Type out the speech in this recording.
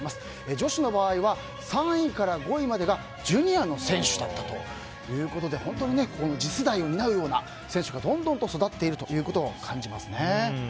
女子の場合は３位から５位までがジュニアの選手だったということで本当に次世代を担うような選手がどんどん育っていることを感じますね。